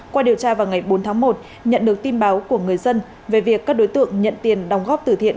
qua điều tra vào ngày bốn tháng một nhận được tin báo của người dân về việc các đối tượng nhận tiền đồng góp tử thiện